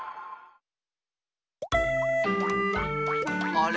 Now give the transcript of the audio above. あれ？